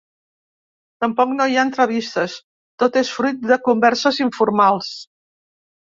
Tampoc no hi ha entrevistes: tot és fruit de converses informals.